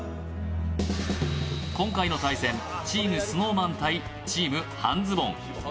今回の大戦、チームＳｎｏｗＭａｎ対チーム半ズボン。